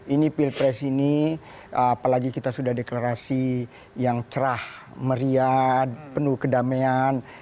ini pilpres ini apalagi kita sudah deklarasi yang cerah meriah penuh kedamaian